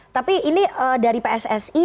tapi ini dari pssi